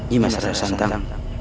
jimas terlalu santang